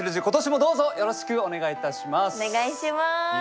今年もどうぞよろしくお願いいたします。